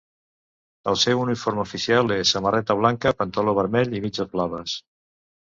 El seu uniforme oficial és samarreta blanca, pantaló vermell i mitges blaves.